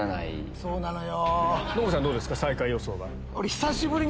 そうなのよ。